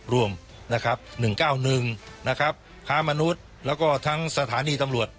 ร่วมนะครับหนึ่งเก้าหนึ่งนะครับค้ามนุษย์แล้วก็ทั้งสถานีตำลวจ